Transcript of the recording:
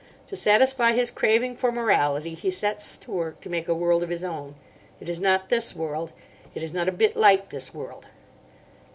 To satisfy his craving for morality he sets to work to make a world of his own. It is not this world. It is not a bit like this world.